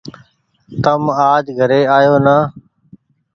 تم آج گهري آيو نآ ۔